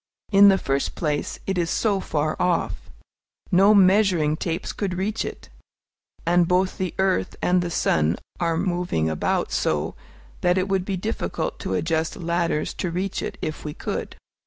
In the first place, it is so far off. No measuring tapes could reach it; and both the earth and the sun are moving about so, that it would be difficult to adjust ladders to reach it, if we could.